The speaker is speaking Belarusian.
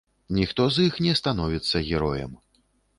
Ніхто з іх не становіцца героем.